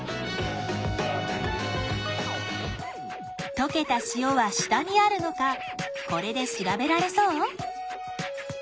とけた塩は下にあるのかこれで調べられそう？